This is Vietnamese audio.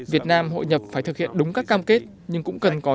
việt nam hội nhập phải thực hiện đúng các cam kết nhưng cũng cần có